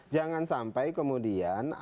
jangan sampai kemudian